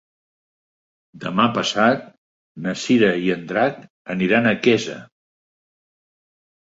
Demà passat na Cira i en Drac aniran a Quesa.